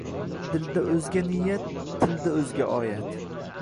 Dilda oʼzga niyat, tilda oʼzga oyat